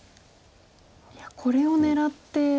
いやこれを狙って。